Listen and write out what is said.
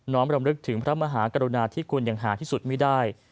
รำลึกถึงพระมหากรุณาที่คุณอย่างหาที่สุดไม่ได้